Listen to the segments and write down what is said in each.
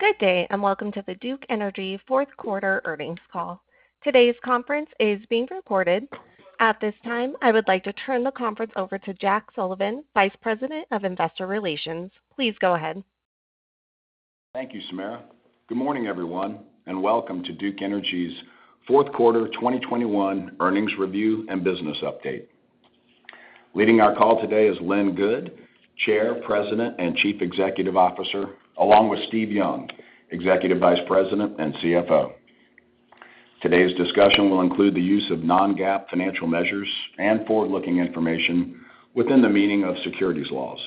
Good day, and welcome to the Duke Energy fourth quarter earnings call. Today's conference is being recorded. At this time, I would like to turn the conference over to Jack Sullivan, Vice President of Investor Relations. Please go ahead. Thank you, Samara. Good morning, everyone, and welcome to Duke Energy's fourth quarter 2021 earnings review and business update. Leading our call today is Lynn Good, Chair, President, and Chief Executive Officer, along with Steve Young, Executive Vice President and CFO. Today's discussion will include the use of non-GAAP financial measures and forward-looking information within the meaning of securities laws.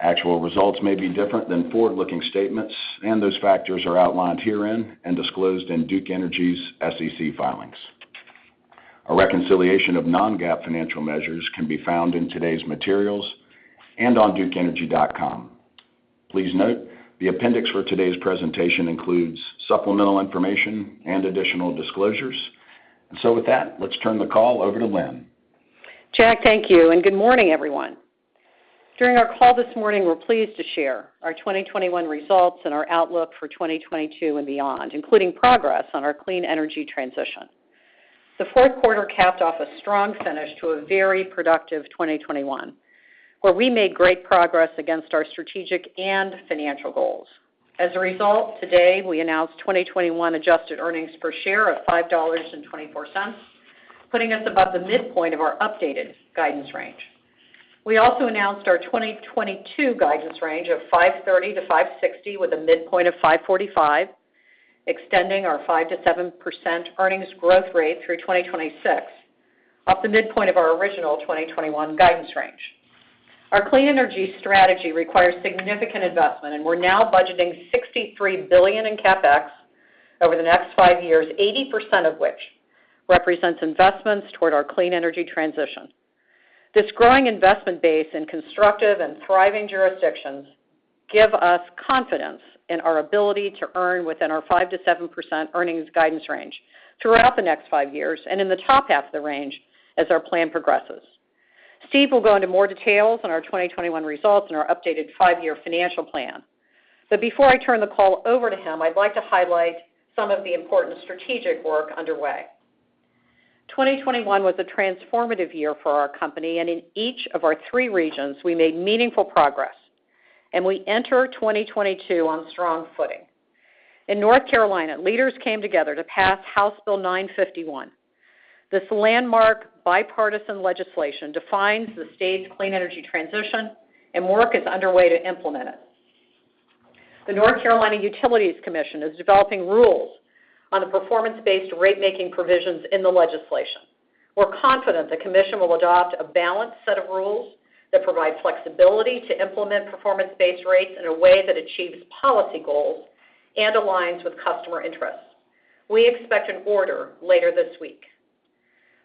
Actual results may be different than forward-looking statements, and those factors are outlined herein and disclosed in Duke Energy's SEC filings. A reconciliation of non-GAAP financial measures can be found in today's materials and on dukeenergy.com. Please note, the appendix for today's presentation includes supplemental information and additional disclosures. With that, let's turn the call over to Lynn. Jack, thank you, and good morning, everyone. During our call this morning, we're pleased to share our 2021 results and our outlook for 2022 and beyond, including progress on our clean energy transition. The fourth quarter capped off a strong finish to a very productive 2021, where we made great progress against our strategic and financial goals. As a result, today we announced 2021 adjusted earnings per share of $5.24, putting us above the midpoint of our updated guidance range. We also announced our 2022 guidance range of $5.30-$5.60 with a midpoint of $5.45, extending our 5%-7% earnings growth rate through 2026 off the midpoint of our original 2021 guidance range. Our clean energy strategy requires significant investment, and we're now budgeting $63 billion in CapEx over the next five years, 80% of which represents investments toward our clean energy transition. This growing investment base in constructive and thriving jurisdictions give us confidence in our ability to earn within our 5%-7% earnings guidance range throughout the next five years and in the top half of the range as our plan progresses. Steve will go into more details on our 2021 results and our updated five-year financial plan. Before I turn the call over to him, I'd like to highlight some of the important strategic work underway. 2021 was a transformative year for our company, and in each of our three regions, we made meaningful progress, and we enter 2022 on strong footing. In North Carolina, leaders came together to pass House Bill 951. This landmark bipartisan legislation defines the state's clean energy transition and work is underway to implement it. The North Carolina Utilities Commission is developing rules on the performance-based ratemaking provisions in the legislation. We're confident the commission will adopt a balanced set of rules that provide flexibility to implement performance-based rates in a way that achieves policy goals and aligns with customer interests. We expect an order later this week.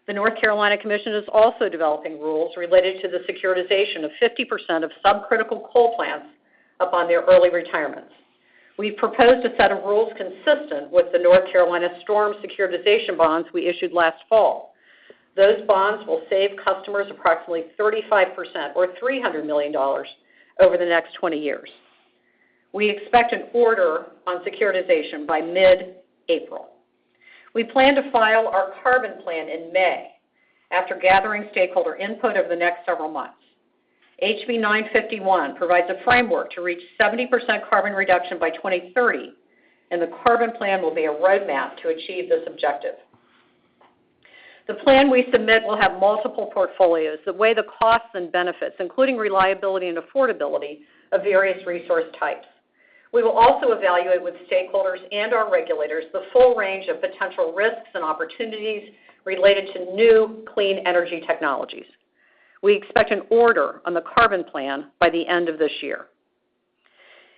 The North Carolina Commission is also developing rules related to the securitization of 50% of subcritical coal plants upon their early retirements. We've proposed a set of rules consistent with the North Carolina storm securitization bonds we issued last fall. Those bonds will save customers approximately 35% or $300 million over the next 20 years. We expect an order on securitization by mid-April. We plan to file our Carbon Plan in May after gathering stakeholder input over the next several months. HB 951 provides a framework to reach 70% carbon reduction by 2030, and the Carbon Plan will be a roadmap to achieve this objective. The plan we submit will have multiple portfolios that weigh the costs and benefits, including reliability and affordability of various resource types. We will also evaluate with stakeholders and our regulators the full range of potential risks and opportunities related to new clean energy technologies. We expect an order on the Carbon Plan by the end of this year.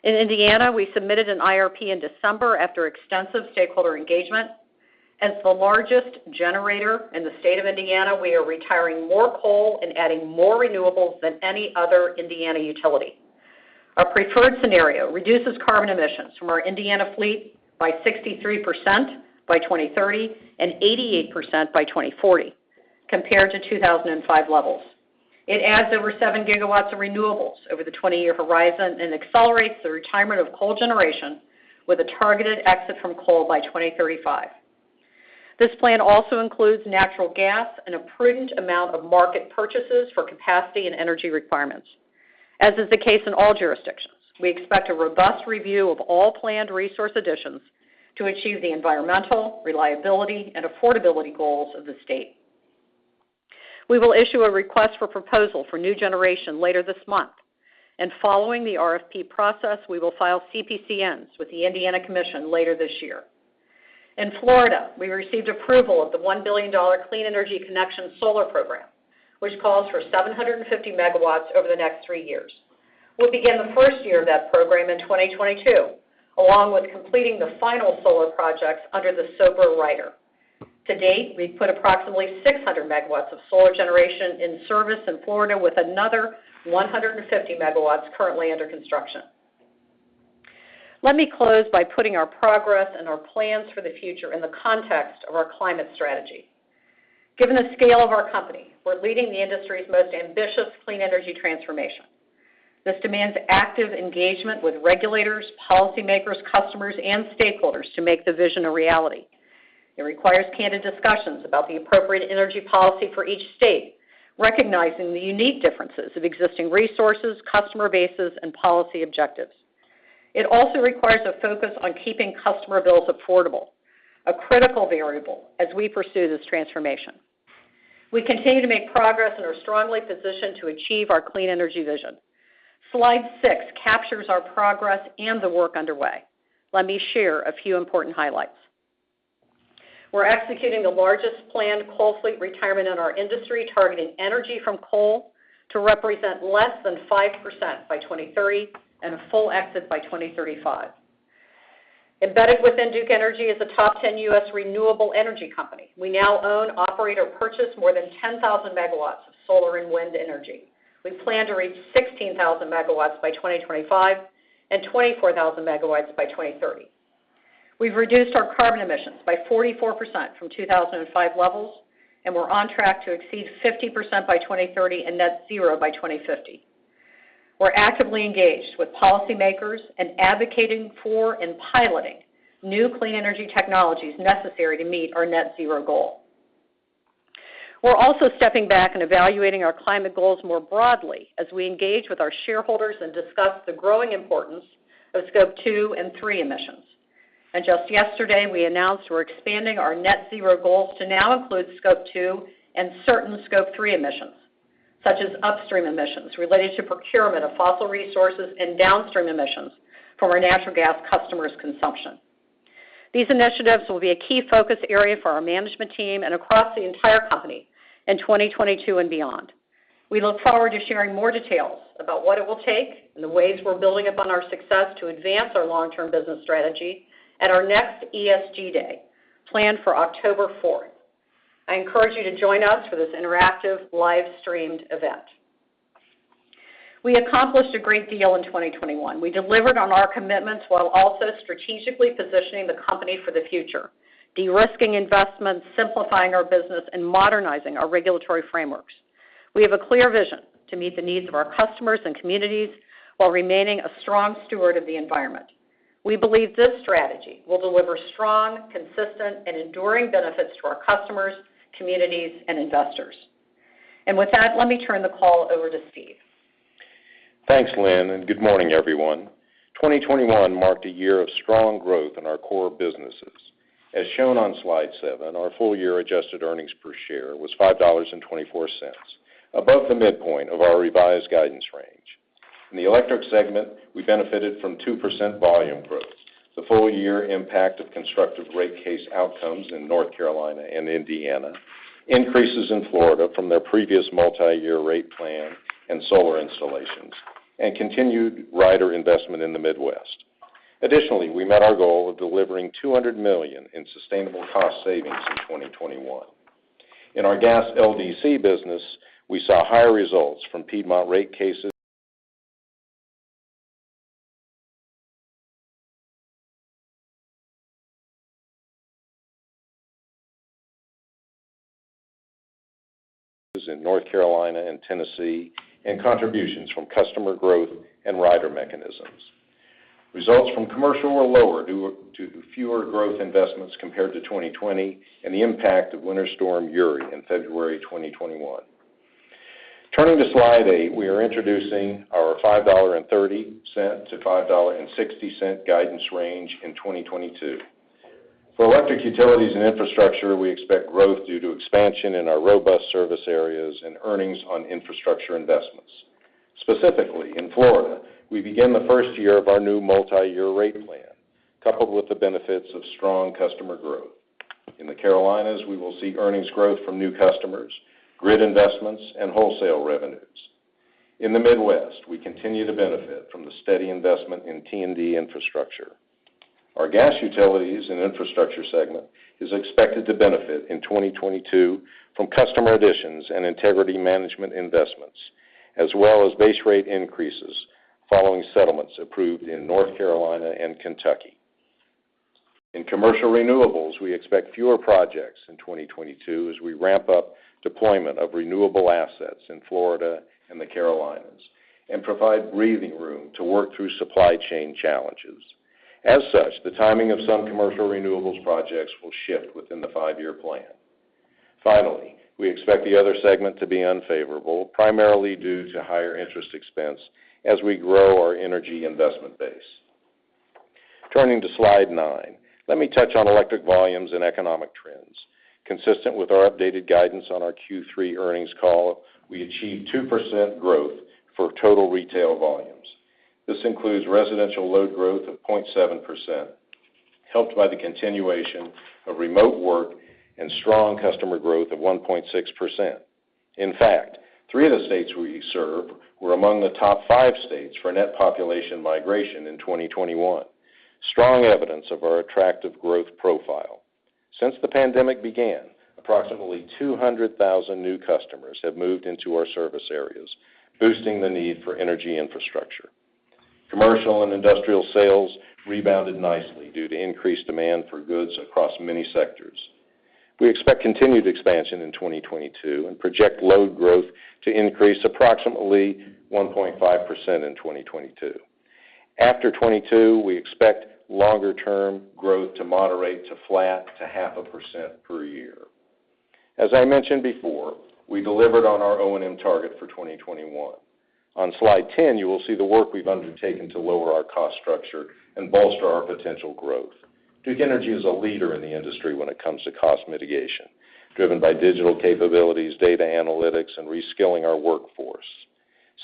In Indiana, we submitted an IRP in December after extensive stakeholder engagement. As the largest generator in the state of Indiana, we are retiring more coal and adding more renewables than any other Indiana utility. Our preferred scenario reduces carbon emissions from our Indiana fleet by 63% by 2030 and 88% by 2040 compared to 2005 levels. It adds over 7 GW of renewables over the 20-year horizon and accelerates the retirement of coal generation with a targeted exit from coal by 2035. This plan also includes natural gas and a prudent amount of market purchases for capacity and energy requirements. As is the case in all jurisdictions, we expect a robust review of all planned resource additions to achieve the environmental, reliability, and affordability goals of the state. We will issue a request for proposal for new generation later this month, and following the RFP process, we will file CPCNs with the Indiana Commission later this year. In Florida, we received approval of the $1 billion Clean Energy Connection solar program, which calls for 750 MW over the next three years. We'll begin the first year of that program in 2022, along with completing the final solar projects under the SOBRA rider. To date, we've put approximately 600 MW of solar generation in service in Florida with another 150 MW currently under construction. Let me close by putting our progress and our plans for the future in the context of our climate strategy. Given the scale of our company, we're leading the industry's most ambitious clean energy transformation. This demands active engagement with regulators, policymakers, customers, and stakeholders to make the vision a reality. It requires candid discussions about the appropriate energy policy for each state, recognizing the unique differences of existing resources, customer bases, and policy objectives. It also requires a focus on keeping customer bills affordable, a critical variable as we pursue this transformation. We continue to make progress and are strongly positioned to achieve our clean energy vision. Slide six captures our progress and the work underway. Let me share a few important highlights. We're executing the largest planned coal fleet retirement in our industry, targeting energy from coal to represent less than 5% by 2023 and a full exit by 2035. Embedded within Duke Energy is a top ten U.S. renewable energy company. We now own, operate, or purchase more than 10,000 MW of solar and wind energy. We plan to reach 16,000 MW by 2025 and 24,000 MW by 2030. We've reduced our carbon emissions by 44% from 2005 levels, and we're on track to exceed 50% by 2030 and net zero by 2050. We're actively engaged with policymakers and advocating for and piloting new clean energy technologies necessary to meet our net zero goal. We're also stepping back and evaluating our climate goals more broadly as we engage with our shareholders and discuss the growing importance of Scope 2 and 3 emissions. Just yesterday, we announced we're expanding our net zero goals to now include Scope 2 and certain Scope 3 emissions, such as upstream emissions related to procurement of fossil resources and downstream emissions from our natural gas customers' consumption. These initiatives will be a key focus area for our management team and across the entire company in 2022 and beyond. We look forward to sharing more details about what it will take and the ways we're building upon our success to advance our long-term business strategy at our next ESG Day, planned for October fourth. I encourage you to join us for this interactive live-streamed event. We accomplished a great deal in 2021. We delivered on our commitments while also strategically positioning the company for the future, de-risking investments, simplifying our business, and modernizing our regulatory frameworks. We have a clear vision to meet the needs of our customers and communities while remaining a strong steward of the environment. We believe this strategy will deliver strong, consistent, and enduring benefits to our customers, communities, and investors. With that, let me turn the call over to Steve. Thanks, Lynn, and good morning, everyone. 2021 marked a year of strong growth in our core businesses. As shown on slide seven, our full year adjusted earnings per share was $5.24, above the midpoint of our revised guidance range. In the electric segment, we benefited from 2% volume growth, the full-year impact of constructive rate case outcomes in North Carolina and Indiana, increases in Florida from their previous multi-year rate plan and solar installations, and continued rider investment in the Midwest. Additionally, we met our goal of delivering $200 million in sustainable cost savings in 2021. In our gas LDC business, we saw higher results from Piedmont rate cases in North Carolina and Tennessee and contributions from customer growth and rider mechanisms. Results from commercial were lower due to fewer growth investments compared to 2020 and the impact of Winter Storm Uri in February 2021. Turning to slide eight, we are introducing our $5.30-$5.60 guidance range in 2022. For electric utilities and infrastructure, we expect growth due to expansion in our robust service areas and earnings on infrastructure investments. Specifically, in Florida, we begin the first year of our new multi-year rate plan, coupled with the benefits of strong customer growth. In the Carolinas, we will see earnings growth from new customers, grid investments, and wholesale revenues. In the Midwest, we continue to benefit from the steady investment in T&D infrastructure. Our gas utilities and infrastructure segment is expected to benefit in 2022 from customer additions and integrity management investments, as well as base rate increases following settlements approved in North Carolina and Kentucky. In commercial renewables, we expect fewer projects in 2022 as we ramp up deployment of renewable assets in Florida and the Carolinas and provide breathing room to work through supply chain challenges. As such, the timing of some commercial renewables projects will shift within the five-year plan. Finally, we expect the other segment to be unfavorable, primarily due to higher interest expense as we grow our energy investment base. Turning to slide nine, let me touch on electric volumes and economic trends. Consistent with our updated guidance on our Q3 earnings call, we achieved 2% growth for total retail volumes. This includes residential load growth of 0.7%, helped by the continuation of remote work and strong customer growth of 1.6%. In fact, three of the states we serve were among the top five states for net population migration in 2021, strong evidence of our attractive growth profile. Since the pandemic began, approximately 200,000 new customers have moved into our service areas, boosting the need for energy infrastructure. Commercial and industrial sales rebounded nicely due to increased demand for goods across many sectors. We expect continued expansion in 2022 and project load growth to increase approximately 1.5% in 2022. After 2022, we expect longer-term growth to moderate to flat to 0.5% per year. As I mentioned before, we delivered on our O&M target for 2021. On slide 10, you will see the work we've undertaken to lower our cost structure and bolster our potential growth. Duke Energy is a leader in the industry when it comes to cost mitigation, driven by digital capabilities, data analytics, and reskilling our workforce.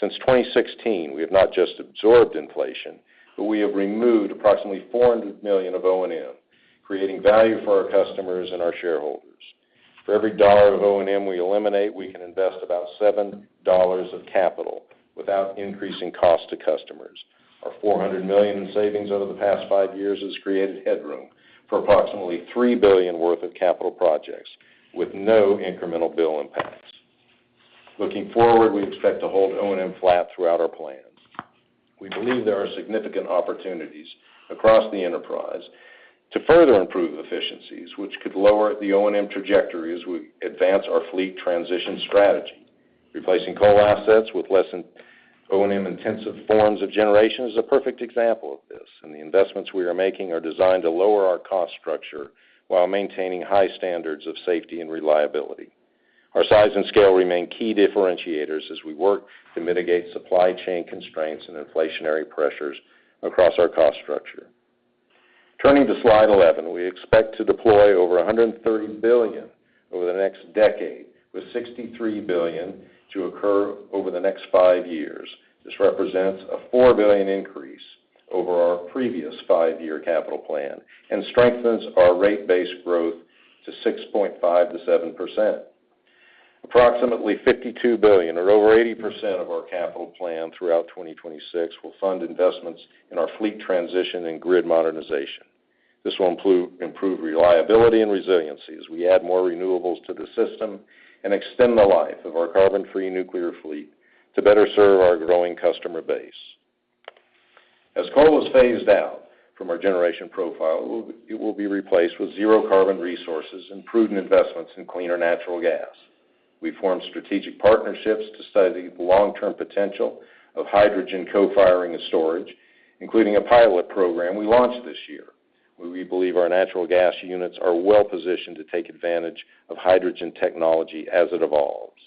Since 2016, we have not just absorbed inflation, but we have removed approximately $400 million of O&M, creating value for our customers and our shareholders. For every dollar of O&M we eliminate, we can invest about $7 of capital without increasing cost to customers. Our $400 million in savings over the past five years has created headroom for approximately $3 billion worth of capital projects with no incremental bill impacts. Looking forward, we expect to hold O&M flat throughout our plans. We believe there are significant opportunities across the enterprise to further improve efficiencies, which could lower the O&M trajectory as we advance our fleet transition strategy. Replacing coal assets with less O&M-intensive forms of generation is a perfect example of this, and the investments we are making are designed to lower our cost structure while maintaining high standards of safety and reliability. Our size and scale remain key differentiators as we work to mitigate supply chain constraints and inflationary pressures across our cost structure. Turning to slide 11. We expect to deploy over $130 billion over the next decade, with $63 billion to occur over the next five years. This represents a $4 billion increase over our previous five-year capital plan and strengthens our rate-based growth to 6.5%-7%. Approximately $52 billion, or over 80% of our capital plan throughout 2026, will fund investments in our fleet transition and grid modernization. This will improve reliability and resiliency as we add more renewables to the system and extend the life of our carbon-free nuclear fleet to better serve our growing customer base. As coal is phased out from our generation profile, it will be replaced with zero carbon resources and prudent investments in cleaner natural gas. We formed strategic partnerships to study the long-term potential of hydrogen co-firing and storage, including a pilot program we launched this year, where we believe our natural gas units are well-positioned to take advantage of hydrogen technology as it evolves.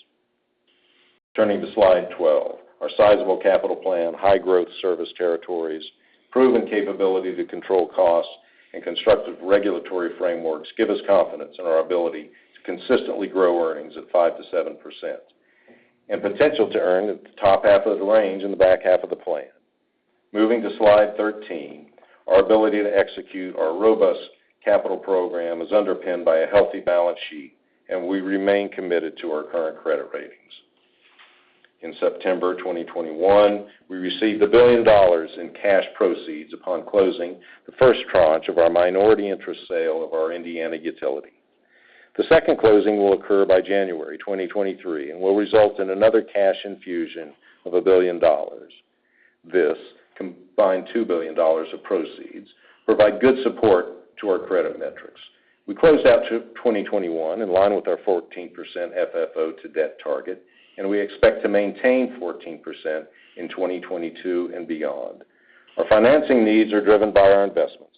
Turning to slide 12. Our sizable capital plan, high-growth service territories, proven capability to control costs, and constructive regulatory frameworks give us confidence in our ability to consistently grow earnings at 5%-7% and potential to earn at the top half of the range in the back half of the plan. Moving to slide 13. Our ability to execute our robust capital program is underpinned by a healthy balance sheet, and we remain committed to our current credit ratings. In September 2021, we received $1 billion in cash proceeds upon closing the first tranche of our minority interest sale of our Indiana utility. The second closing will occur by January 2023 and will result in another cash infusion of $1 billion. This combined $2 billion of proceeds provide good support to our credit metrics. We closed out 2021 in line with our 14% FFO to debt target, and we expect to maintain 14% in 2022 and beyond. Our financing needs are driven by our investments,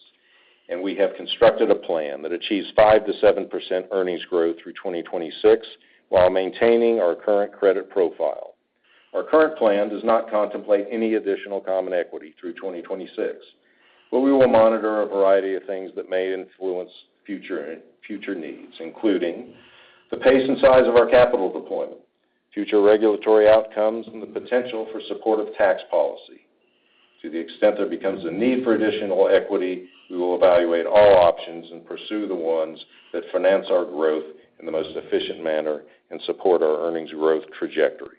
and we have constructed a plan that achieves 5%-7% earnings growth through 2026 while maintaining our current credit profile. Our current plan does not contemplate any additional common equity through 2026, but we will monitor a variety of things that may influence future needs, including the pace and size of our capital deployment, future regulatory outcomes, and the potential for supportive tax policy. To the extent there becomes a need for additional equity, we will evaluate all options and pursue the ones that finance our growth in the most efficient manner and support our earnings growth trajectory.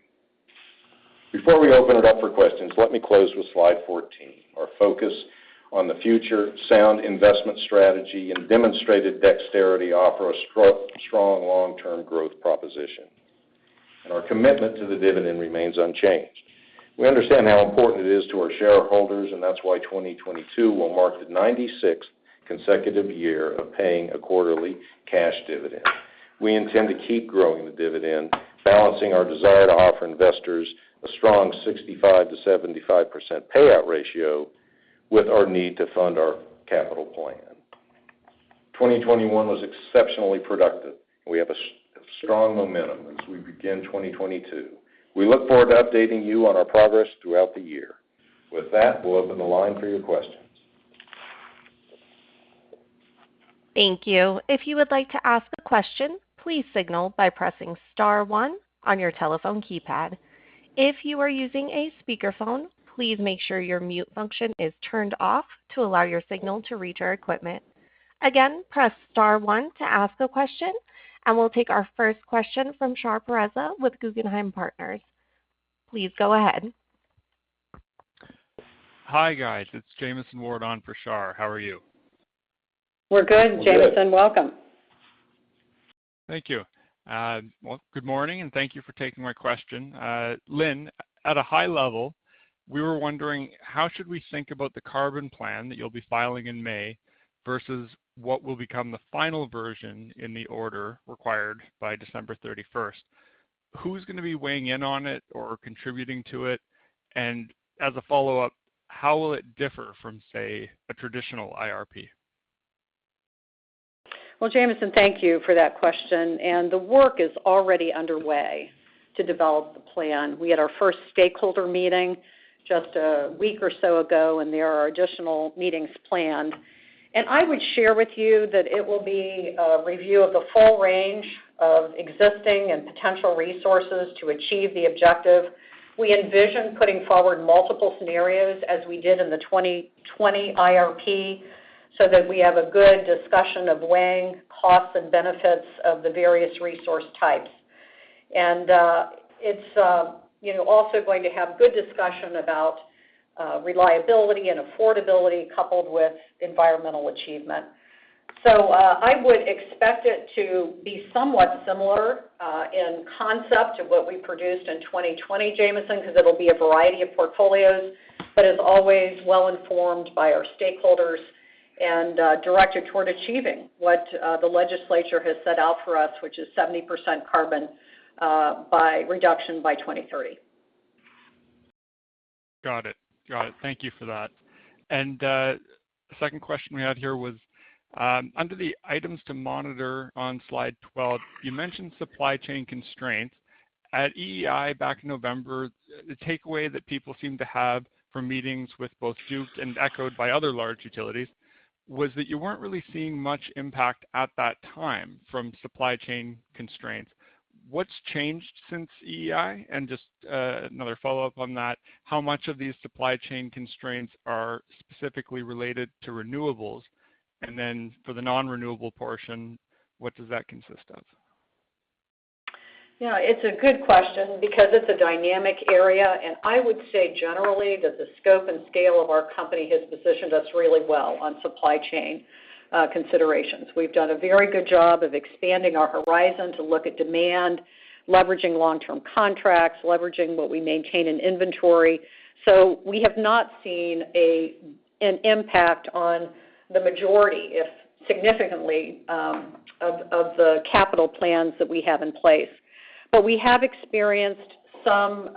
Before we open it up for questions, let me close with slide 14. Our focus on the future sound investment strategy and demonstrated dexterity offer a strong long-term growth proposition. Our commitment to the dividend remains unchanged. We understand how important it is to our shareholders, and that's why 2022 will mark the 96th consecutive year of paying a quarterly cash dividend. We intend to keep growing the dividend, balancing our desire to offer investors a strong 65%-75% payout ratio with our need to fund our capital plan. 2021 was exceptionally productive. We have a strong momentum as we begin 2022. We look forward to updating you on our progress throughout the year. With that, we'll open the line for your questions. Thank you. If you would like to ask a question, please signal by pressing star one on your telephone keypad. If you are using a speakerphone, please make sure your mute function is turned off to allow your signal to reach our equipment. Again, press star one to ask a question, and we'll take our first question from Shar Pourreza with Guggenheim Securities. Please go ahead. Hi, guys. It's Jamieson Ward on for Shar. How are you? We're good, Jamieson. Welcome. Thank you. Well, good morning, and thank you for taking my question. Lynn, at a high level, we were wondering how should we think about the Carbon Plan that you'll be filing in May versus what will become the final version in the order required by December 31st? Who's gonna be weighing in on it or contributing to it? As a follow-up, how will it differ from, say, a traditional IRP? Well, Jamieson, thank you for that question. The work is already underway to develop the plan. We had our first stakeholder meeting just a week or so ago, and there are additional meetings planned. I would share with you that it will be a review of the full range of existing and potential resources to achieve the objective. We envision putting forward multiple scenarios as we did in the 2020 IRP, so that we have a good discussion of weighing costs and benefits of the various resource types. You know, it's also going to have good discussion about reliability and affordability coupled with environmental achievement. I would expect it to be somewhat similar in concept to what we produced in 2020, Jamieson, because it'll be a variety of portfolios, but as always, well informed by our stakeholders and directed toward achieving what the legislature has set out for us, which is 70% carbon reduction by 2030. Got it. Thank you for that. The second question we had here was, under the items to monitor on slide 12, you mentioned supply chain constraints. At EEI back in November, the takeaway that people seemed to have from meetings with both Duke and echoed by other large utilities was that you weren't really seeing much impact at that time from supply chain constraints. What's changed since EEI? Just another follow-up on that, how much of these supply chain constraints are specifically related to renewables? Then for the non-renewable portion, what does that consist of? You know, it's a good question because it's a dynamic area, and I would say generally that the scope and scale of our company has positioned us really well on supply chain considerations. We've done a very good job of expanding our horizon to look at demand, leveraging long-term contracts, leveraging what we maintain in inventory. We have not seen an impact on the majority, if significantly, of the capital plans that we have in place. We have experienced some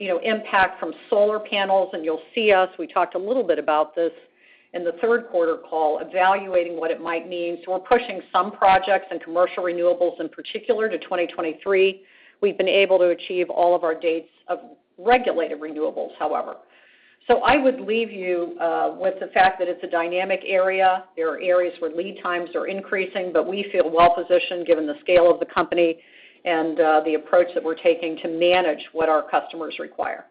impact from solar panels, and you'll see us, we talked a little bit about this in the third quarter call, evaluating what it might mean. We're pushing some projects and commercial renewables in particular to 2023. We've been able to achieve all of our dates of regulated renewables, however. I would leave you with the fact that it's a dynamic area. There are areas where lead times are increasing, but we feel well positioned given the scale of the company and the approach that we're taking to manage what our customers require.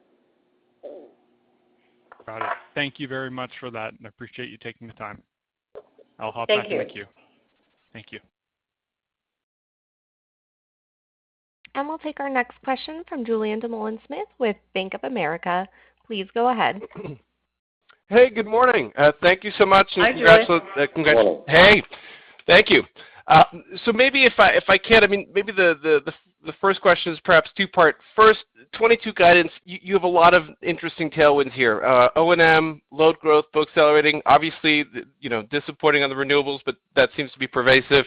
Got it. Thank you very much for that, and I appreciate you taking the time. Thank you. I'll hop back to the queue. Thank you. We'll take our next question from Julien Dumoulin-Smith with Bank of America. Please go ahead. Hey, good morning. Thank you so much. Hi, Julien. Congrats. Hey. Thank you. Maybe if I can, I mean, maybe the first question is perhaps two-part. First, 2022 guidance, you have a lot of interesting tailwinds here. O&M, load growth both accelerating, obviously, you know, disappointing on the renewables, but that seems to be pervasive.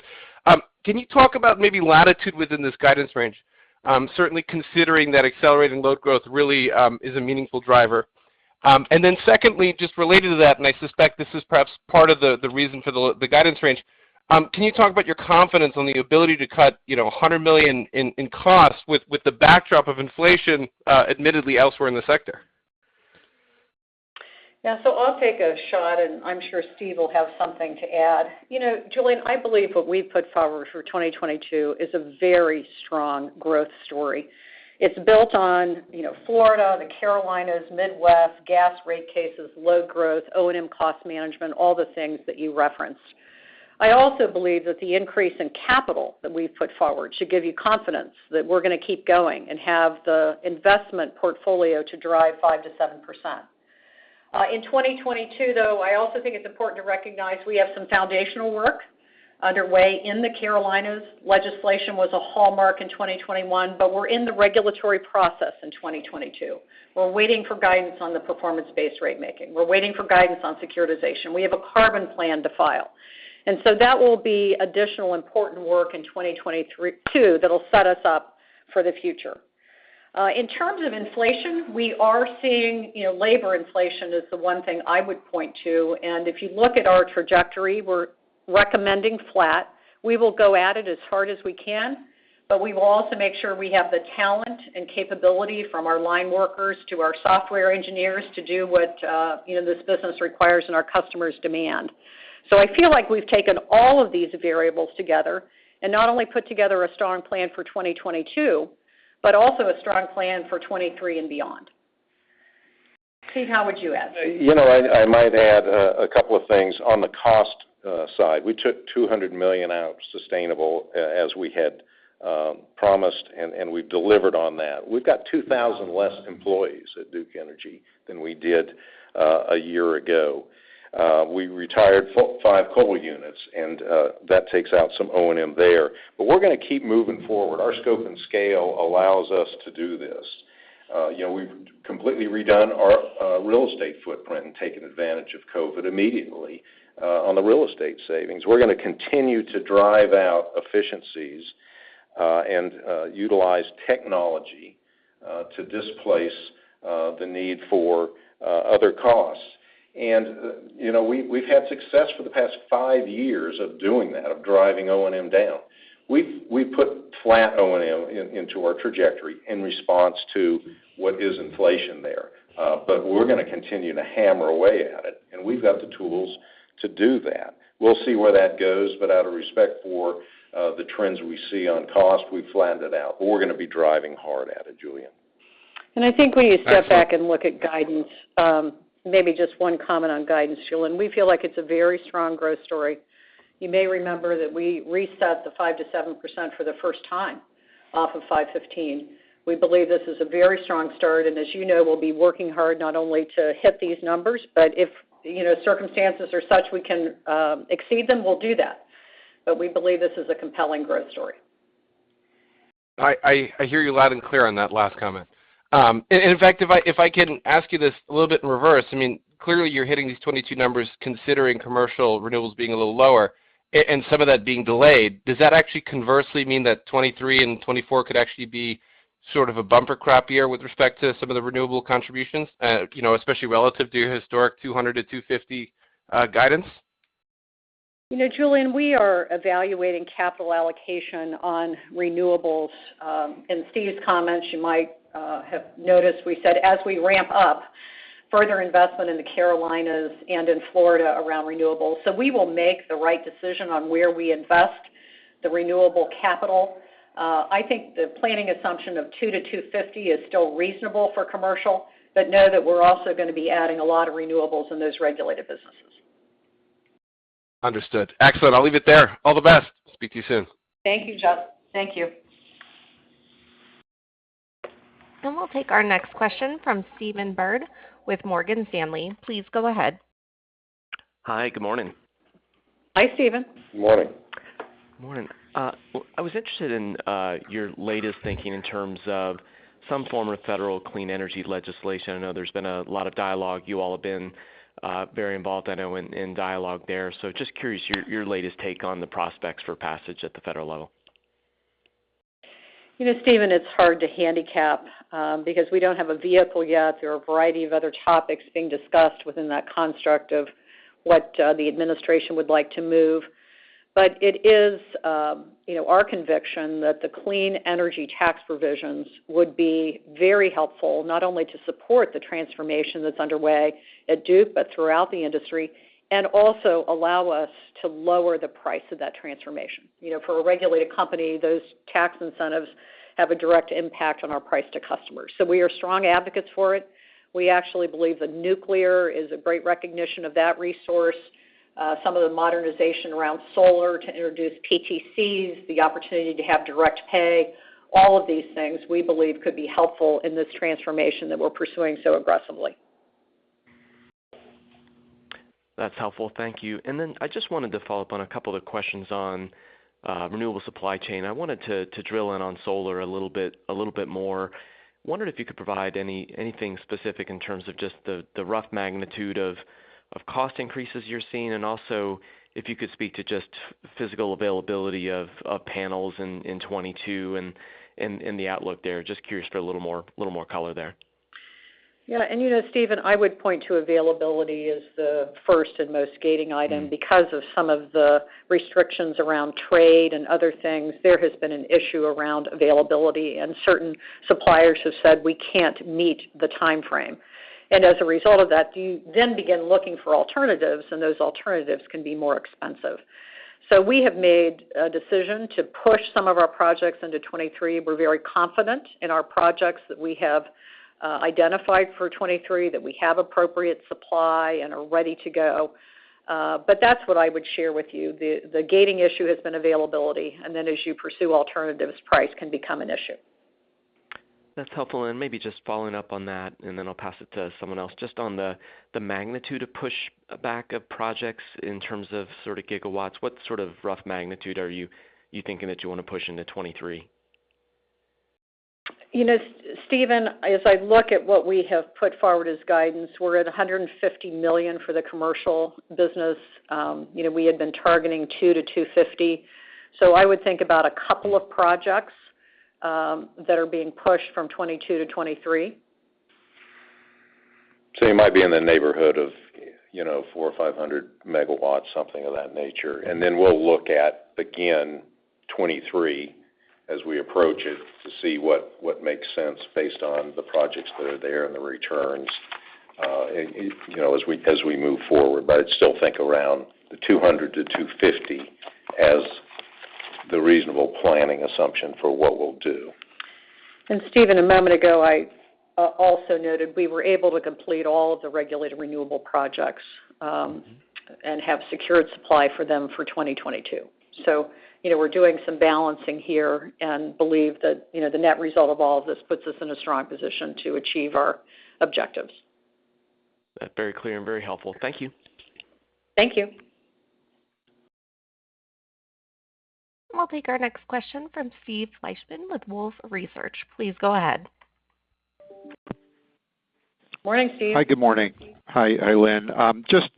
Can you talk about maybe latitude within this guidance range? Certainly considering that accelerating load growth really is a meaningful driver. Then secondly, just related to that, I suspect this is perhaps part of the reason for the guidance range. Can you talk about your confidence on the ability to cut, you know, $100 million in cost with the backdrop of inflation, admittedly elsewhere in the sector? Yeah. I'll take a shot, and I'm sure Steve will have something to add. You know, Julien, I believe what we've put forward for 2022 is a very strong growth story. It's built on, you know, Florida, the Carolinas, Midwest, gas rate cases, load growth, O&M cost management, all the things that you referenced. I also believe that the increase in capital that we've put forward should give you confidence that we're gonna keep going and have the investment portfolio to drive 5%-7%. In 2022, though, I also think it's important to recognize we have some foundational work underway in the Carolinas. Legislation was a hallmark in 2021, but we're in the regulatory process in 2022. We're waiting for guidance on the performance-based ratemaking. We're waiting for guidance on securitization. We have a Carbon Plan to file. That will be additional important work in 2022 that'll set us up for the future. In terms of inflation, we are seeing, you know, labor inflation is the one thing I would point to, and if you look at our trajectory, we're recommending flat. We will go at it as hard as we can, but we will also make sure we have the talent and capability from our line workers to our software engineers to do what, you know, this business requires and our customers demand. I feel like we've taken all of these variables together and not only put together a strong plan for 2022, but also a strong plan for 2023 and beyond. Steve, how would you add? You know, I might add a couple of things. On the cost side, we took $200 million out sustainably, as we had promised, and we've delivered on that. We've got 2,000 less employees at Duke Energy than we did a year ago. We retired five coal units, and that takes out some O&M there. We're gonna keep moving forward. Our scope and scale allows us to do this. You know, we've completely redone our real estate footprint and taken advantage of COVID immediately on the real estate savings. We're gonna continue to drive out efficiencies and utilize technology to displace the need for other costs. You know, we've had success for the past five years of doing that, of driving O&M down. We've put flat O&M into our trajectory in response to what is inflation there. We're gonna continue to hammer away at it, and we've got the tools to do that. We'll see where that goes, but out of respect for the trends we see on cost, we've flattened it out, but we're gonna be driving hard at it, Julien. I think when you step back and look at guidance, maybe just one comment on guidance, Julien. We feel like it's a very strong growth story. You may remember that we reset the 5%-7% for the first time off of 5%-15%. We believe this is a very strong start, and as you know, we'll be working hard not only to hit these numbers, but if, you know, circumstances are such we can, exceed them, we'll do that. But we believe this is a compelling growth story. I hear you loud and clear on that last comment. In fact, if I can ask you this a little bit in reverse. I mean, clearly you're hitting these 2022 numbers considering commercial renewables being a little lower and some of that being delayed. Does that actually conversely mean that 2023 and 2024 could actually be sort of a bumper crop year with respect to some of the renewable contributions? You know, especially relative to your historic 200-250 guidance. You know, Julien, we are evaluating capital allocation on renewables. In Steve's comments, you might have noticed we said as we ramp up further investment in the Carolinas and in Florida around renewables. We will make the right decision on where we invest the renewable capital. I think the planning assumption of two-250 is still reasonable for commercial, but know that we're also gonna be adding a lot of renewables in those regulated businesses. Understood. Excellent. I'll leave it there. All the best. Speak to you soon. Thank you, Julien. Thank you. We'll take our next question from Stephen Byrd with Morgan Stanley. Please go ahead. Hi, good morning. Hi, Stephen. Morning. Morning. I was interested in your latest thinking in terms of some form of federal clean energy legislation. I know there's been a lot of dialogue. You all have been very involved, I know, in dialogue there. Just curious your latest take on the prospects for passage at the federal level. You know, Stephen, it's hard to handicap because we don't have a vehicle yet. There are a variety of other topics being discussed within that construct of what the administration would like to move. It is, you know, our conviction that the clean energy tax provisions would be very helpful, not only to support the transformation that's underway at Duke, but throughout the industry, and also allow us to lower the price of that transformation. You know, for a regulated company, those tax incentives have a direct impact on our price to customers. We are strong advocates for it. We actually believe that nuclear is a great recognition of that resource. Some of the modernization around solar to introduce PTCs, the opportunity to have direct pay, all of these things we believe could be helpful in this transformation that we're pursuing so aggressively. That's helpful. Thank you. I just wanted to follow up on a couple of questions on renewable supply chain. I wanted to drill in on solar a little bit more. Wondering if you could provide anything specific in terms of just the rough magnitude of cost increases you're seeing, and also if you could speak to just physical availability of panels in 2022 and in the outlook there. Just curious for a little more color there. Yeah. You know, Stephen, I would point to availability as the first and most gating item because of some of the restrictions around trade and other things. There has been an issue around availability, and certain suppliers have said we can't meet the timeframe. As a result of that, you then begin looking for alternatives, and those alternatives can be more expensive. We have made a decision to push some of our projects into 2023. We're very confident in our projects that we have identified for 2023, that we have appropriate supply and are ready to go. That's what I would share with you. The gating issue has been availability, and then as you pursue alternatives, price can become an issue. That's helpful. Maybe just following up on that, and then I'll pass it to someone else. Just on the magnitude of pushback of projects in terms of sort of gigawatts, what sort of rough magnitude are you thinking that you wanna push into 2023? You know, Stephen, as I look at what we have put forward as guidance, we're at $150 million for the commercial business. You know, we had been targeting $200-$250. I would think about a couple of projects that are being pushed from 2022 to 2023. You might be in the neighborhood of, you know, 400 or 500 MW, something of that nature. Then we'll look at, again, 2023 as we approach it to see what makes sense based on the projects that are there and the returns, you know, as we move forward. I'd still think around the 200-250 as the reasonable planning assumption for what we'll do. Steven, a moment ago, I also noted we were able to complete all of the regulated renewable projects and have secured supply for them for 2022. You know, we're doing some balancing here and believe that, you know, the net result of all of this puts us in a strong position to achieve our objectives. That's very clear and very helpful. Thank you. Thank you. We'll take our next question from Steve Fleishman with Wolfe Research. Please go ahead. Morning, Steve. Hi, good morning. Hi, Lynn. Just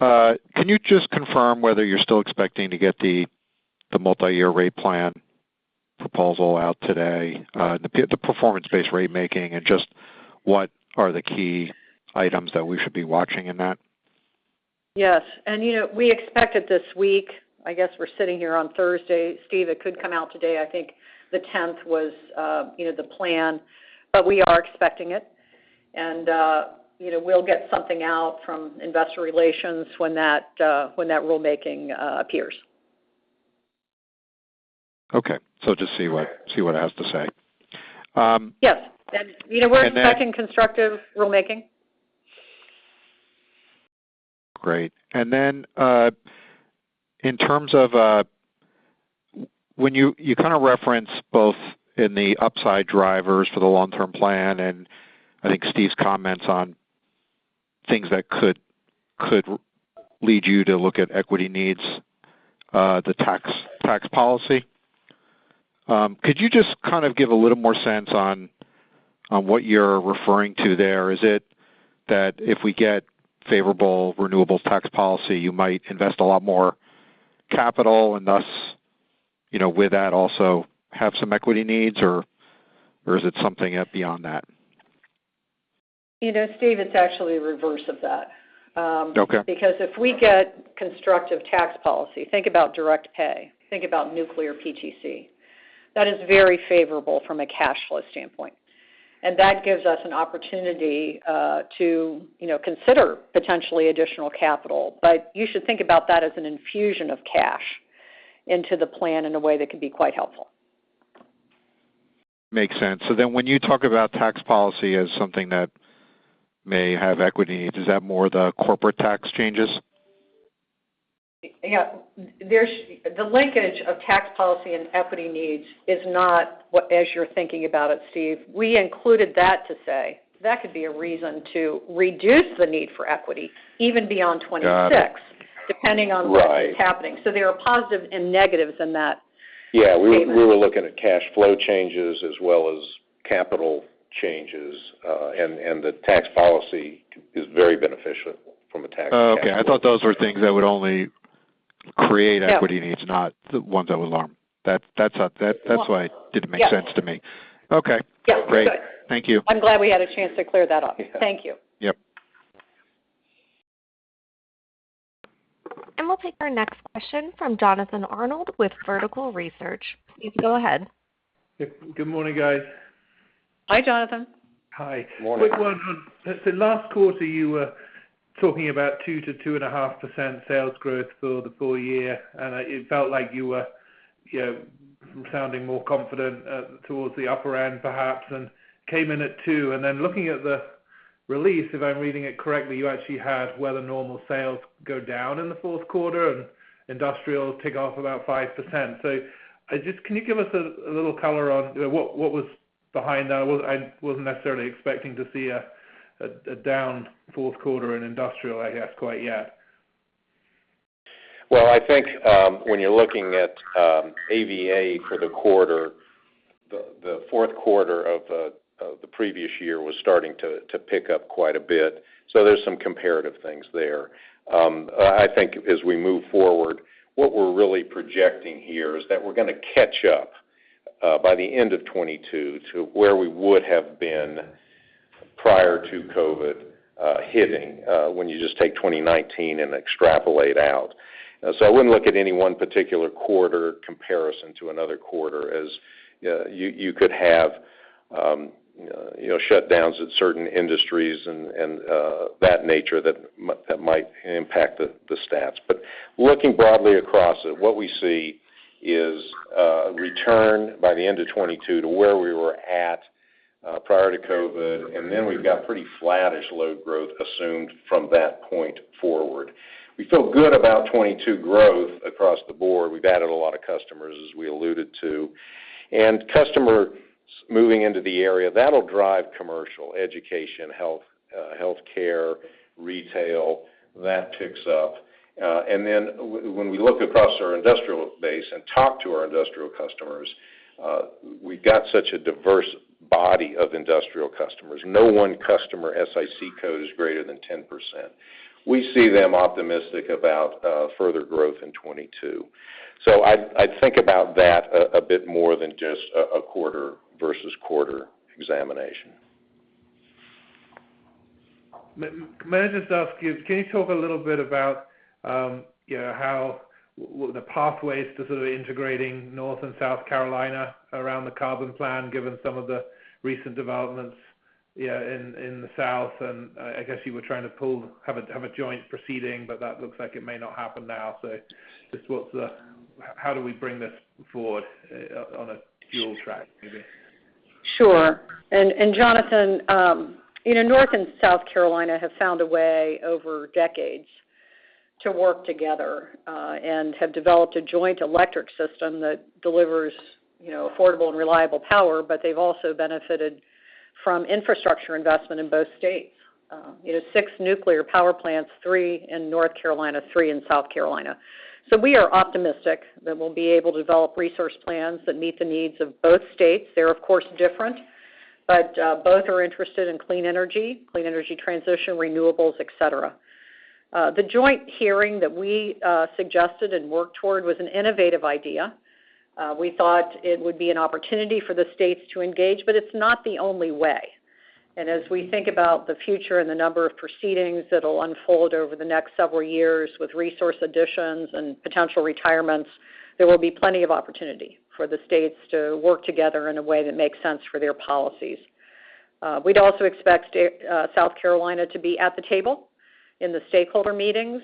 can you just confirm whether you're still expecting to get the multi-year rate plan proposal out today? The performance-based ratemaking, and just what are the key items that we should be watching in that? Yes. You know, we expect it this week. I guess we're sitting here on Thursday. Steve, it could come out today. I think the 10th was, you know, the plan. We are expecting it. You know, we'll get something out from investor relations when that rulemaking appears. Okay. Just see what it has to say. Yes. You know. And then- We're expecting constructive rulemaking. Great. Then, in terms of, you kind of referenced both in the upside drivers for the long-term plan, I think Steve's comments on things that could lead you to look at equity needs, the tax policy. Could you just kind of give a little more sense on what you're referring to there? Is it that if we get favorable renewable tax policy, you might invest a lot more capital and thus, you know, with that also have some equity needs, or is it something beyond that? You know, Steve, it's actually reverse of that. Okay. Because if we get constructive tax policy, think about direct pay, think about nuclear PTC. That is very favorable from a cash flow standpoint. That gives us an opportunity to consider potentially additional capital. You should think about that as an infusion of cash into the plan in a way that could be quite helpful. Makes sense. When you talk about tax policy as something that may have equity, is that more the corporate tax changes? Yeah. The linkage of tax policy and equity needs is not what, as you're thinking about it, Steve. We included that to say that could be a reason to reduce the need for equity even beyond 26- Got it. -depending on- Right. There are positive and negatives in that statement. Yeah. We were looking at cash flow changes as well as capital changes, and the tax policy is very beneficial from a tax cash flow perspective. Oh, okay. I thought those were things that would only create. Yeah. Equity needs, not the ones that alarm. That's why it didn't make sense to me. Yeah. Okay. Yeah. We're good. Great. Thank you. I'm glad we had a chance to clear that up. Yeah. Thank you. Yep. We'll take our next question from Jonathan Arnold with Vertical Research. Please go ahead. Good morning, guys. Hi, Jonathan. Hi. Morning. Quick one. Last quarter, you were talking about 2%-2.5% sales growth for the full year, and it felt like you were, you know, sounding more confident towards the upper end perhaps, and came in at 2%. Then looking at the release, if I'm reading it correctly, you actually had weather normal sales go down in the fourth quarter and industrial tick off about 5%. Can you give us a little color on what was behind that? I wasn't necessarily expecting to see a down fourth quarter in industrial, I guess, quite yet. Well, I think when you're looking at AVA for the quarter, the fourth quarter of the previous year was starting to pick up quite a bit. There's some comparative things there. I think as we move forward, what we're really projecting here is that we're going to catch up by the end of 2022 to where we would have been prior to COVID hitting when you just take 2019 and extrapolate out. I wouldn't look at any one particular quarter comparison to another quarter as you could have you know, shutdowns at certain industries and that nature that might impact the stats. Looking broadly across it, what we see is a return by the end of 2022 to where we were at prior to COVID, and then we've got pretty flattish load growth assumed from that point forward. We feel good about 2022 growth across the board. We've added a lot of customers, as we alluded to. Customers moving into the area, that'll drive commercial, education, health, healthcare, retail, that ticks up. When we look across our industrial base and talk to our industrial customers, we've got such a diverse body of industrial customers. No one customer SIC code is greater than 10%. We see them optimistic about further growth in 2022. I'd think about that a bit more than just a quarter-over-quarter examination. May I just ask you, can you talk a little bit about, you know, how the pathways to sort of integrating North and South Carolina around the Carbon Plan, given some of the recent developments, you know, in the South? I guess you were trying to have a joint proceeding, but that looks like it may not happen now. How do we bring this forward on a dual track maybe? Sure. Jonathan, you know, North Carolina and South Carolina have found a way over decades to work together and have developed a joint electric system that delivers, you know, affordable and reliable power, but they've also benefited from infrastructure investment in both states. You know, six nuclear power plants, three in North Carolina, three in South Carolina. We are optimistic that we'll be able to develop resource plans that meet the needs of both states. They're, of course, different. Both are interested in clean energy, clean energy transition, renewables, etc. The joint hearing that we suggested and worked toward was an innovative idea. We thought it would be an opportunity for the states to engage, but it's not the only way. As we think about the future and the number of proceedings that'll unfold over the next several years with resource additions and potential retirements, there will be plenty of opportunity for the states to work together in a way that makes sense for their policies. We'd also expect South Carolina to be at the table in the stakeholder meetings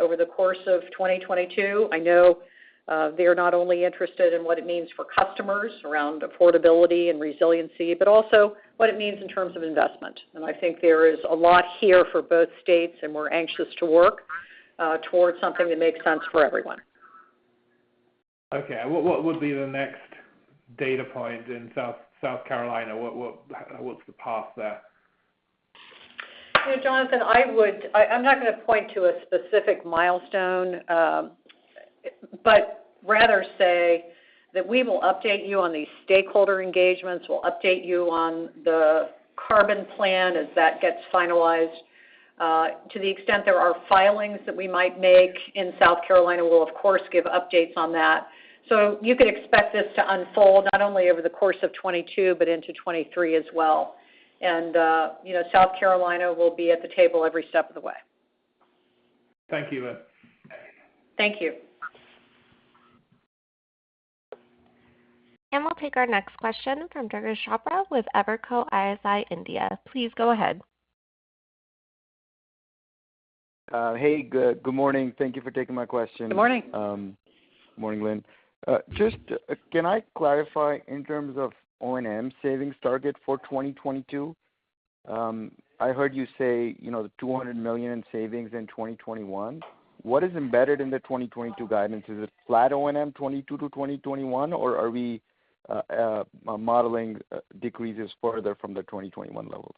over the course of 2022. I know they're not only interested in what it means for customers around affordability and resiliency, but also what it means in terms of investment. I think there is a lot here for both states, and we're anxious to work towards something that makes sense for everyone. Okay. What would be the next data point in South Carolina? What's the path there? You know, Jonathan, I'm not gonna point to a specific milestone, but rather say that we will update you on these stakeholder engagements. We'll update you on the Carbon Plan as that gets finalized. To the extent there are filings that we might make in South Carolina, we'll of course give updates on that. You could expect this to unfold not only over the course of 2022, but into 2023 as well. You know, South Carolina will be at the table every step of the way. Thank you, Lynn. Thank you. We'll take our next question from Durgesh Chopra with Evercore ISI. Please go ahead. Hey, good morning. Thank you for taking my question. Good morning. Morning, Lynn. Just, can I clarify in terms of O&M savings target for 2022? I heard you say, you know, the $200 million in savings in 2021. What is embedded in the 2022 guidance? Is it flat O&M 2022 to 2021, or are we modeling decreases further from the 2021 levels?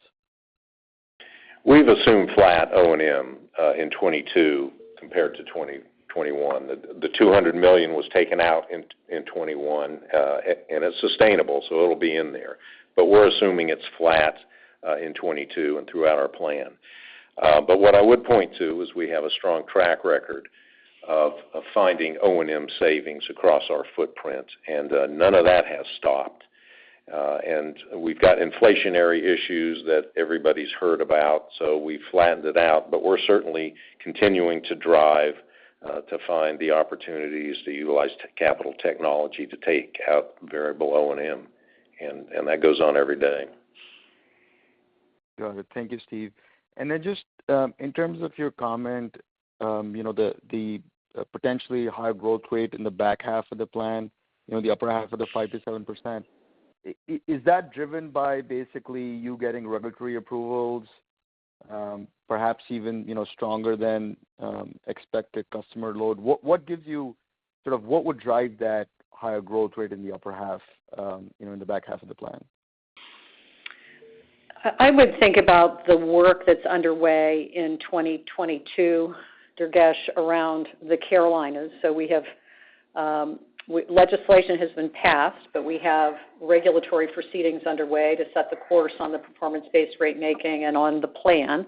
We've assumed flat O&M in 2022 compared to 2021. The $200 million was taken out in 2021. It's sustainable, so it'll be in there. We're assuming it's flat in 2022 and throughout our plan. What I would point to is we have a strong track record of finding O&M savings across our footprint, and none of that has stopped. We've got inflationary issues that everybody's heard about, so we flattened it out. We're certainly continuing to drive to find the opportunities to utilize capital technology to take out variable O&M, and that goes on every day. Got it. Thank you, Steve. Just in terms of your comment, you know, the potentially high growth rate in the back half of the plan, you know, the upper half of the 5%-7%, is that driven by basically you getting regulatory approvals, perhaps even, you know, stronger than expected customer load? Sort of what would drive that higher growth rate in the upper half, you know, in the back half of the plan? I would think about the work that's underway in 2022, Durgesh, around the Carolinas. We have legislation has been passed, but we have regulatory proceedings underway to set the course on the performance-based ratemaking and on the plan.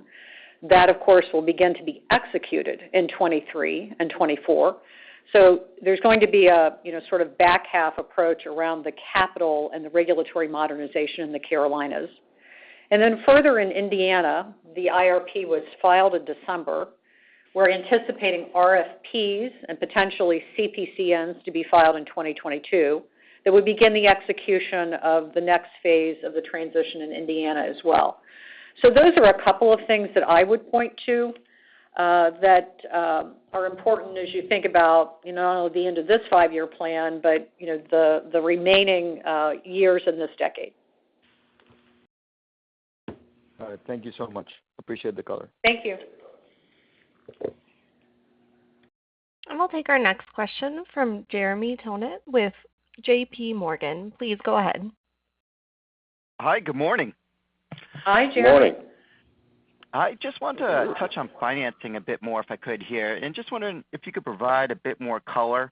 That, of course, will begin to be executed in 2023 and 2024. There's going to be a, you know, sort of back half approach around the capital and the regulatory modernization in the Carolinas. Then further in Indiana, the IRP was filed in December. We're anticipating RFPs and potentially CPCNs to be filed in 2022 that would begin the execution of the next phase of the transition in Indiana as well. Those are a couple of things that I would point to that are important as you think about, you know, the end of this five-year plan, but, you know, the remaining years in this decade. All right. Thank you so much. Appreciate the color. Thank you. We'll take our next question from Jeremy Tonet with JPMorgan. Please go ahead. Hi, good morning. Hi, Jeremy. Morning. I just want to touch on financing a bit more if I could here, and just wondering if you could provide a bit more color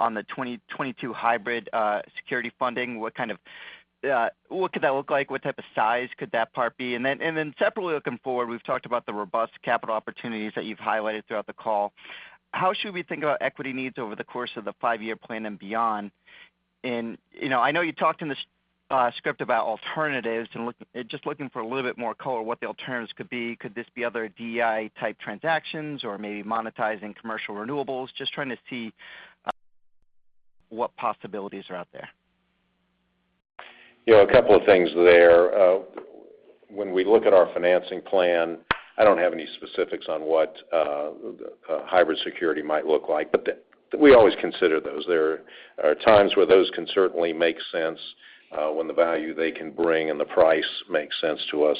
on the 2022 hybrid security funding. What kind of, what could that look like? What type of size could that part be? And then separately looking forward, we've talked about the robust capital opportunities that you've highlighted throughout the call. How should we think about equity needs over the course of the five-year plan and beyond? And, you know, I know you talked in the script about alternatives just looking for a little bit more color, what the alternatives could be. Could this be other DEI-type transactions or maybe monetizing commercial renewables? Just trying to see what possibilities are out there. You know, a couple of things there. When we look at our financing plan, I don't have any specifics on what hybrid security might look like, but we always consider those. There are times where those can certainly make sense when the value they can bring and the price makes sense to us.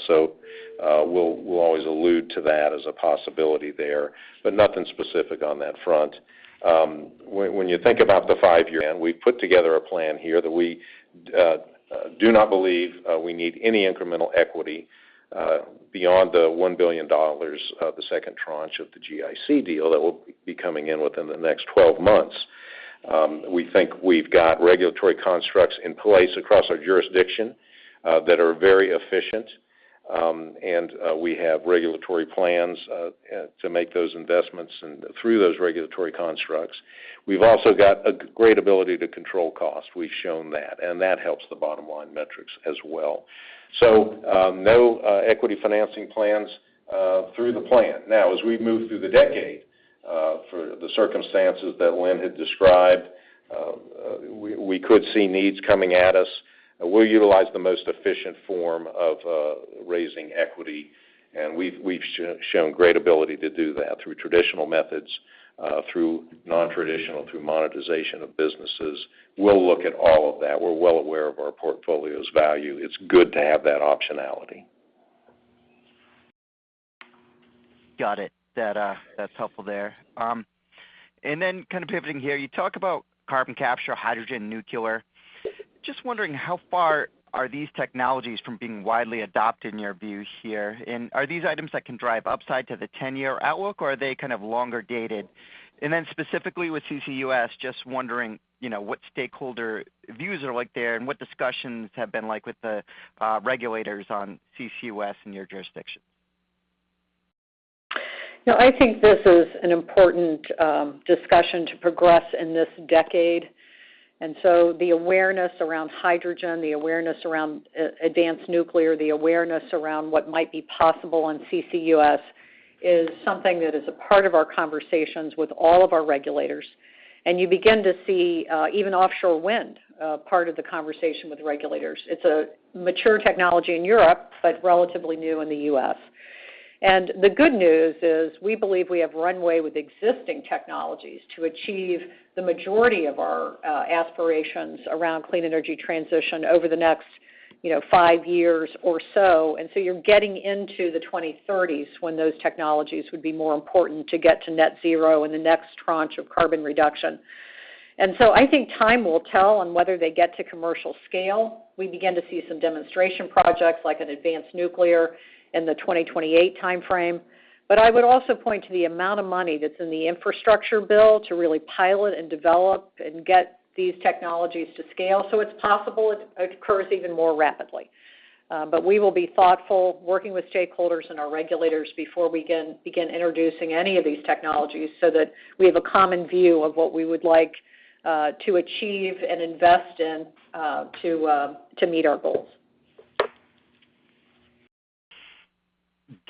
We'll always allude to that as a possibility there, but nothing specific on that front. When you think about the five-year plan, we've put together a plan here that we do not believe we need any incremental equity beyond the $1 billion of the second tranche of the GIC deal that will be coming in within the next 12 months. We think we've got regulatory constructs in place across our jurisdiction that are very efficient. We have regulatory plans to make those investments and through those regulatory constructs. We've also got a great ability to control costs. We've shown that, and that helps the bottom-line metrics as well. No equity financing plans through the plan. Now, as we move through the decade, for the circumstances that Lynn had described, we could see needs coming at us. We'll utilize the most efficient form of raising equity, and we've shown great ability to do that through traditional methods, through non-traditional, through monetization of businesses. We'll look at all of that. We're well aware of our portfolio's value. It's good to have that optionality. Got it. That, that's helpful there. Kind of pivoting here, you talk about carbon capture, hydrogen, nuclear. Just wondering, how far are these technologies from being widely adopted in your view here? And are these items that can drive upside to the 10-year outlook, or are they kind of longer dated? And then specifically with CCUS, just wondering, you know, what stakeholder views are like there, and what discussions have been like with the regulators on CCUS in your jurisdiction. You know, I think this is an important discussion to progress in this decade. The awareness around hydrogen, the awareness around advanced nuclear, the awareness around what might be possible on CCUS is something that is a part of our conversations with all of our regulators. You begin to see even offshore wind part of the conversation with regulators. It's a mature technology in Europe, but relatively new in the U.S. The good news is we believe we have runway with existing technologies to achieve the majority of our aspirations around clean energy transition over the next, you know, five years or so. You're getting into the 2030s when those technologies would be more important to get to net zero in the next tranche of carbon reduction. I think time will tell on whether they get to commercial scale. We begin to see some demonstration projects like an advanced nuclear in the 2028 timeframe. I would also point to the amount of money that's in the infrastructure bill to really pilot and develop and get these technologies to scale. It's possible it occurs even more rapidly. We will be thoughtful working with stakeholders and our regulators before we can begin introducing any of these technologies so that we have a common view of what we would like to achieve and invest in to meet our goals.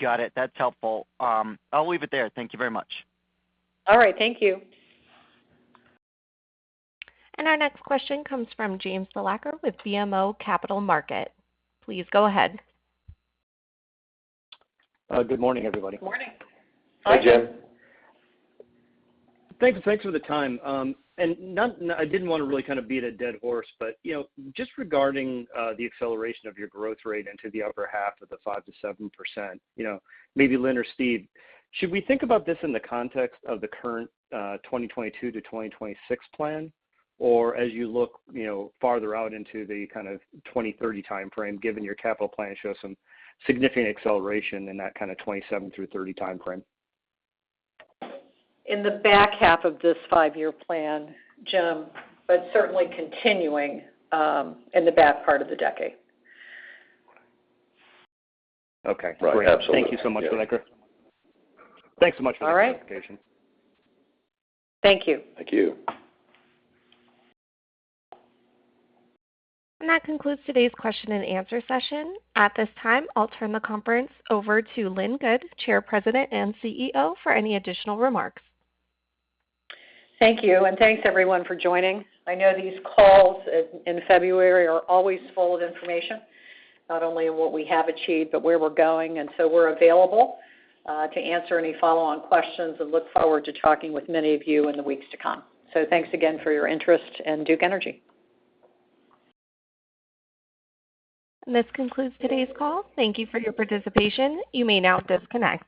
Got it. That's helpful. I'll leave it there. Thank you very much. All right. Thank you. Our next question comes from James Thalacker with BMO Capital Markets. Please go ahead. Good morning, everybody. Morning. Hi, Jim. Thanks. Thanks for the time. I didn't wanna really kind of beat a dead horse, but, you know, just regarding the acceleration of your growth rate into the upper half of the 5%-7%, you know, maybe Lynn or Steve, should we think about this in the context of the current 2022 to 2026 plan? Or as you look, you know, farther out into the kind of 2030 timeframe, given your capital plan shows some significant acceleration in that kind of 2027 through 2030 timeframe. In the back half of this five-year plan, Jim, but certainly continuing, in the back part of the decade. Okay. Right. Absolutely. Thank you so much, Thalacker. Thanks so much for the clarification. All right. Thank you. Thank you. That concludes today's question-and-answer session. At this time, I'll turn the conference over to Lynn Good, Chair, President, and CEO, for any additional remarks. Thank you, and thanks, everyone, for joining. I know these calls in February are always full of information, not only what we have achieved, but where we're going. We're available to answer any follow-on questions and look forward to talking with many of you in the weeks to come. Thanks again for your interest in Duke Energy. This concludes today's call. Thank you for your participation. You may now disconnect.